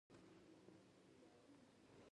پکورې د اوږدې ورځې خستګي ختموي